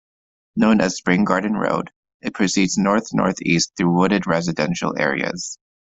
Known as Spring Garden Road, it proceeds north-northeast through wooded residential areas.